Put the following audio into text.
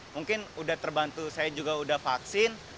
mungkin udah terbantu saya juga udah vaksin